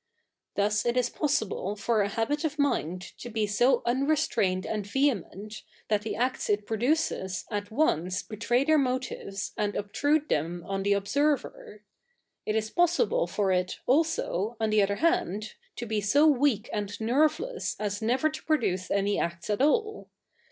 Thus it is possible for a habit of mi/id to be so un7'esfrai7ied a/id vehe?7ient, that the acts it produces at 07ice betray their 77wtives a7id obt/ ude them 07i the obse/'ver ; it is possible for it, also, 071 the other hand, to be so weak and nerveless as never to produce a/iy acts at all.